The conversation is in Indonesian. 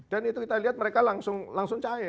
dan itu kita lihat mereka langsung cair